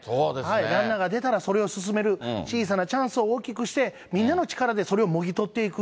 ランナーが出たらそれを進める、小さなチャンスを大きくして、みんなの力でそれをもぎ取っていく。